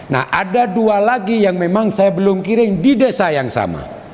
nah ada dua lagi yang memang saya belum kirim di desa yang sama